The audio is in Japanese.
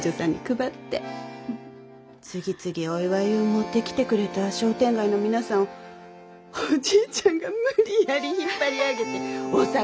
次々お祝ゆう持ってきてくれた商店街の皆さんをおじいちゃんが無理やり引っ張り上げてお酒ょお飲んで。